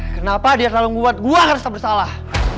kenapa dia tak lalu buat gue yang harus tak bersalah